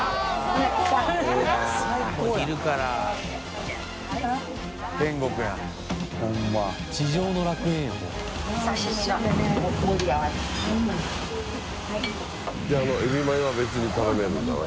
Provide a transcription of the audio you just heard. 梅沢）であのエビマヨは別に頼めるんだな。